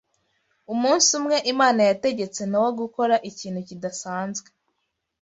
Umunsi umwe Imana yategetse Nowa gukora ikintu kidasanzwe